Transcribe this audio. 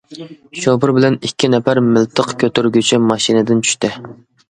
شوپۇر بىلەن ئىككى نەپەر مىلتىق كۆتۈرگۈچى ماشىنىدىن چۈشتى.